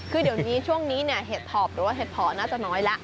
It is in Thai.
คือเดี๋ยวนี้ช่วงนี้เนี่ยเห็ดถอบหรือว่าเห็ดเพาะน่าจะน้อยแล้ว